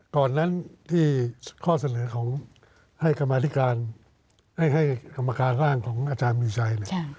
ก่อนนั้นที่ข้อเสนอของให้กรรมธิการให้กรรมการร่างของอาจารย์มีชัยเนี่ย